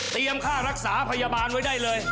ค่ารักษาพยาบาลไว้ได้เลย